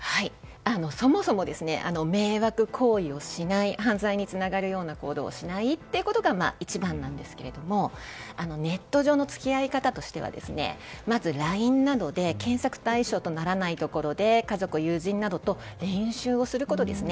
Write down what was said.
そもそも、迷惑行為をしない犯罪につながるような行為をしないということが一番なんですけれどもネット上の付き合い方としてはまずＬＩＮＥなどで検索対象にならないところで家族、友人などと練習をすることですね。